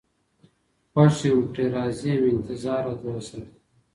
خوښ يم پرې راضي يم انتـظارراتـــه وساته